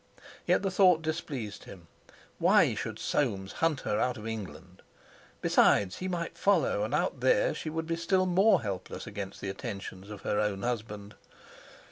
Yet the thought displeased him. Why should Soames hunt her out of England! Besides, he might follow, and out there she would be still more helpless against the attentions of her own husband!